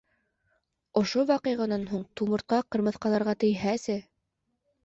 Ошо ваҡиғанан һуң тумыртҡа ҡырмыҫҡаларға тейһәсе!